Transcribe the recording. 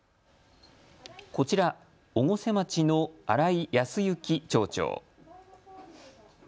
こちら越生町の新井康之町長。